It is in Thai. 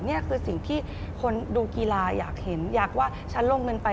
นี่คือสิ่งที่คนดูกีฬาอยากเห็นอยากว่าฉันลงเงินไป